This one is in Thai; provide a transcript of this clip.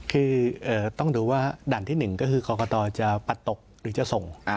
คือต้องดูว่าด่านที่๑ก็คือกรกตจะปัดตกหรือจะส่ง